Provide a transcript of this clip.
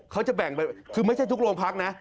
เขาจะแบ่งไปคือไม่ใช่ทุกโรงพักนะ